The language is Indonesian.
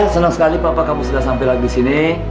senang sekali papa kamu sudah sampai lagi sini